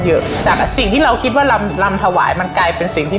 เยอะแต่สิ่งที่เราคิดว่าลำลำถวายมันกลายเป็นสิ่งที่